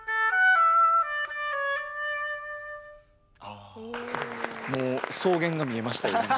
あもう草原が見えましたよ。